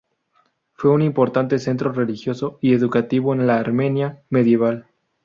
Fue un importante centro religioso y educativo en la Armenia medieval.